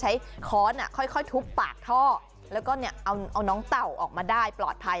ค้อนค่อยทุบปากท่อแล้วก็เอาน้องเต่าออกมาได้ปลอดภัย